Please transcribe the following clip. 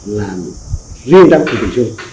làm riêng trong phòng tình trường